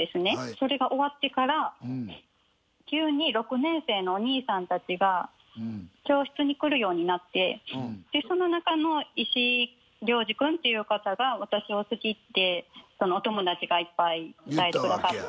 それが終わってから急に６年生のお兄さんたちが教室に来るようになってその中の石井亮次くんっていう方が私を好きってそのお友達がいっぱい伝えてくださって。